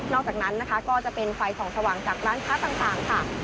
อกจากนั้นนะคะก็จะเป็นไฟส่องสว่างจากร้านค้าต่างค่ะ